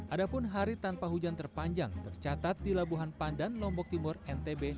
adapun hari tanpa hujan terpanjang tercatat di labuhan pandan lombok timur ntb